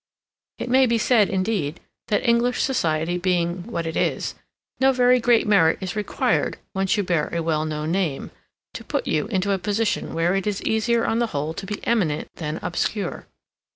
It may be said, indeed, that English society being what it is, no very great merit is required, once you bear a well known name, to put you into a position where it is easier on the whole to be eminent than obscure.